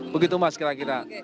begitu mas kira kira